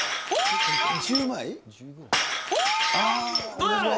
どうやろ？